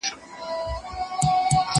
سبزیحات د مور له خوا تيار کيږي!؟